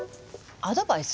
アドバイス？